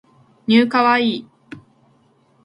new kawaii